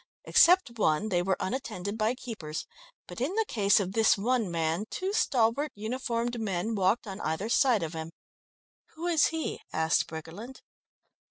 Except one, they were unattended by keepers, but in the case of this one man, two stalwart uniformed men walked on either side of him. "Who is he?" asked Briggerland.